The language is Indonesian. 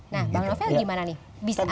nah bang novel gimana nih bisa